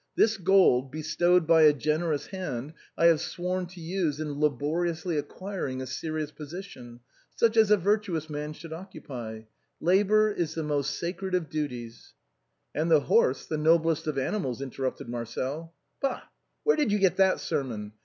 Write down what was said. This gold, bestowed THE BILLOWS OF PACTOLUS. 85 by a generous hand, I have sworn to use in laboriously acquiring a serious position — such as a virtuous man should occupy. Labor is the most sacred of duties —."" And the horse, the noblest of animals," interrupted Marcel. " Bah ! where did you get that sermon